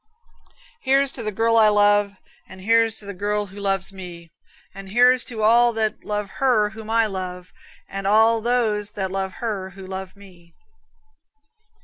Here's to the girl I love, And here's to the girl who loves me, And here's to all that love her whom I love, And all those that love her who love me.